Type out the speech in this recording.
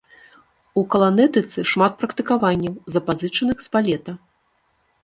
У каланэтыцы шмат практыкаванняў, запазычаных з балета.